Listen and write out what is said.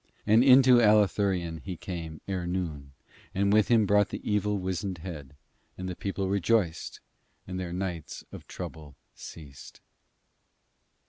And into Allathurion he came ere noon, and with him brought the evil wizened head, and the people rejoiced, and their nights of trouble ceased.